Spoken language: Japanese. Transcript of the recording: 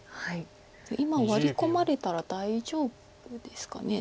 今ワリ込まれたら大丈夫ですか。